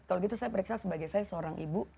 kalau gitu saya periksa sebagai saya seorang ibu